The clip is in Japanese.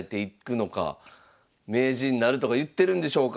「名人なる」とか言ってるんでしょうか。